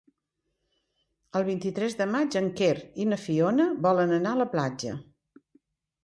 El vint-i-tres de maig en Quer i na Fiona volen anar a la platja.